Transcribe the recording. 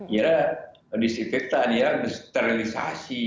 ya disinfektan ya disterilisasi